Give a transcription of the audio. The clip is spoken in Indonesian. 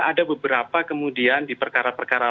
ada beberapa kemudian di perkara perkara